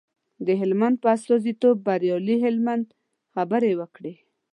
د هلمند په استازیتوب بریالي هلمند خبرې وکړې.